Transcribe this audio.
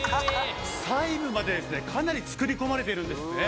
細部までかなり作り込まれているんですね。